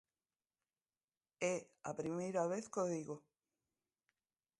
É a primeira vez que o digo.